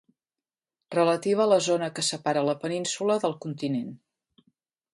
Relativa a la zona que separa la península del continent.